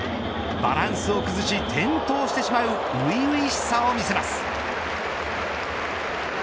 バランスを崩し転倒してしまう初々しさを見せます。